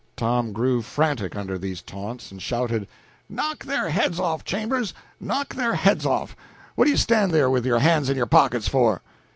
Tom grew frantic under these taunts, and shouted "Knock their heads off, Chambers! knock their heads off! What do you stand there with your hands in your pockets for?"